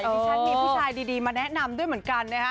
ดิฉันมีผู้ชายดีมาแนะนำด้วยเหมือนกันนะฮะ